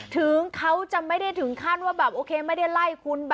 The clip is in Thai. ถึงเขาจะไม่ได้ถึงขั้นว่าแบบโอเคไม่ได้ไล่คุณ